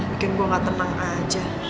bikin gue gak tenang aja